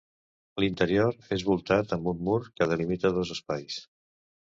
L'interior és voltat amb un mur que delimita dos espais.